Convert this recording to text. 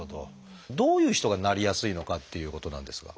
どういう人がなりやすいのかっていうことなんですが。